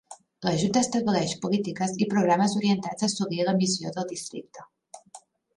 La Junta estableix polítiques i programes orientats a assolir la missió del districte.